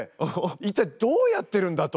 一体どうやってるんだ？と。